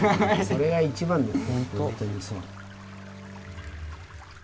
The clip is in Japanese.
それが一番です。